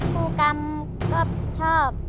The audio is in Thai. ครูกรรมก็ชอบ